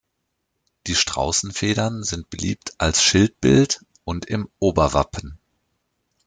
Die Straußenfedern sind beliebt als Schildbild und im Oberwappen.